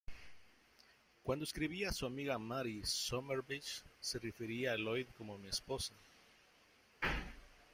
Cuando escribía a su amiga Mary Somerville se refería a Lloyd como 'mi esposa'.